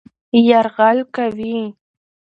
يرغل کوي